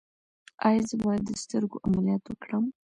ایا زه باید د سترګو عملیات وکړم؟